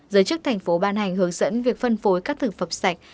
giới chức thành phố ban hành hướng dẫn việc phân phối các thực phẩm sạch